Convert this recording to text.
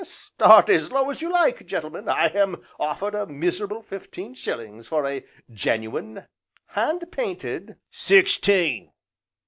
"Start as low as you like, gentlemen! I am offered a miserable fifteen shillings for a genuine, hand painted " "Sixteen!"